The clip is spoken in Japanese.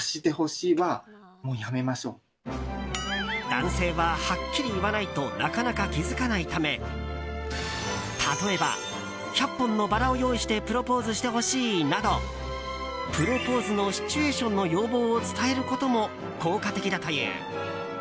男性は、はっきり言わないとなかなか気づかないため例えば１００本のバラを用意してプロポーズしてほしいなどプロポーズのシチュエーションの要望を伝えることも効果的だという。